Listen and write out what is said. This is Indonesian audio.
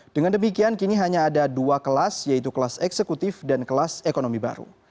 dengan demikian kini hanya ada dua kelas yaitu kelas eksekutif dan kelas ekonomi baru